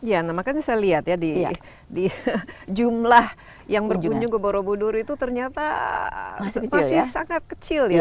ya makanya saya lihat ya di jumlah yang berkunjung ke borobudur itu ternyata masih sangat kecil ya